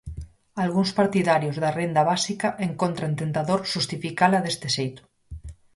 Algúns partidarios da Renda Básica encontran tentador xustificala deste xeito.